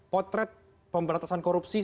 potret pemberantasan korupsi